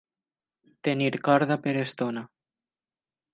Tenir corda per estona.